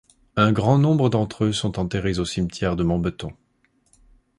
Un grand nombre d'entre eux sont enterrés au cimetière de Montbeton.